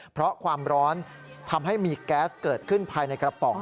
เพราะความร้อนทำให้มีแก๊สเกิดขึ้นภายในกระป๋อง